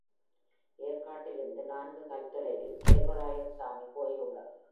ஏர்க்காட்டிலிருந்து நான்கு கல் தொலைவில் சேர்வராயன் சாமி கோயில் உள்ளது.